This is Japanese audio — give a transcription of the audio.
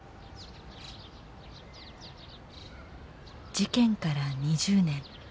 事件から２０年。